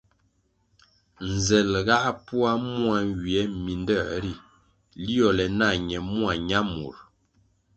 Nzel ga poa mua nywie mindoē ri liole nah ñe mua ñamur.